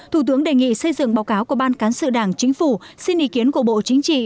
thủ tướng đề nghị xây dựng báo cáo của ban cán sự đảng chính phủ xin ý kiến của bộ chính trị